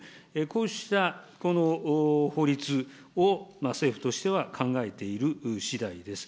こうしたこの法律を政府としては考えているしだいです。